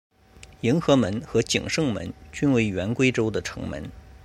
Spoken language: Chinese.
迎和门和景圣门均为原归州的城门。